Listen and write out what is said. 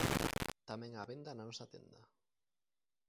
Tamén á venda na nosa tenda.